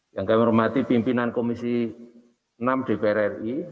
yang kami hormati pimpinan komisi enam dpr ri